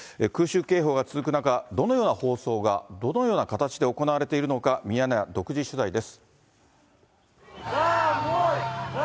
空襲警報が続く中、どのような放送が、どのような形で行われているのか、ミヤネ屋独自取材です。